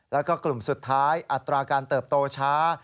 แล้วก็กลุ่มสุดท้ายอัตราการเติบโตช้า